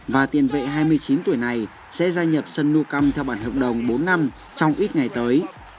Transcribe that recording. và tiền vệ hai mươi chín tuổi này sẽ gia nhập sân nu căm theo bản hợp đồng bốn năm trong ít ngày tới